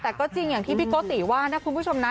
แต่ก็จริงอย่างที่พี่โกติว่านะคุณผู้ชมนะ